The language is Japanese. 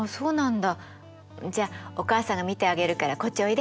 じゃあお母さんが見てあげるからこっちおいで！